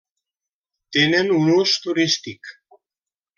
Tenen un ús turístic.